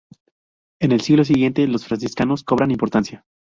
En el siglo siguiente los franciscanos cobran importancia.